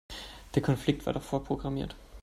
Der Konflikt war doch vorprogrammiert.